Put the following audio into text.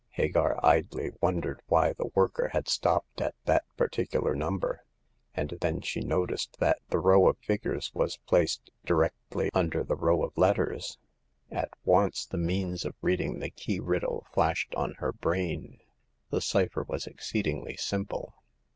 Hagar idly wondered why the worker had stopped at that particular number ; and then she noticed that the row of figures was placed directly under the row of letters. At once the means of reading the key riddle flashed on her brain. The cypher was exceedingly simple.